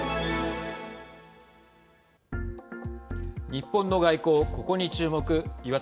日本の外交、ここに注目。